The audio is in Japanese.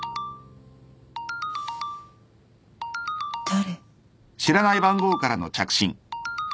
誰？